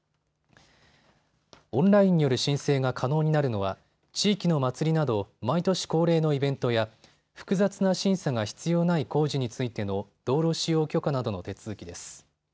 オンラインによる申請が可能になるのは地域の祭りなど毎年恒例のイベントや複雑な審査が必要ない工事についての道路使用許可などの手続きです。